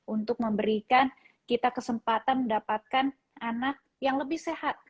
untuk memberikan kita kesempatan mendapatkan anak yang lebih sehat